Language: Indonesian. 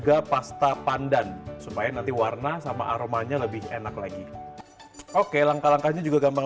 juga pasta pandan supaya nanti warna sama aromanya lebih enak lagi oke langkah langkahnya juga gampang